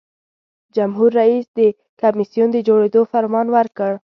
جمهور رئیس د کمیسیون د جوړیدو فرمان ورکړ.